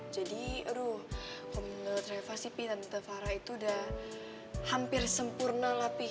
jadi aduh menurut reva sih bi tante farah itu udah hampir sempurna lah bi